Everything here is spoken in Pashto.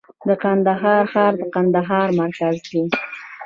د کندهار ښار د کندهار مرکز دی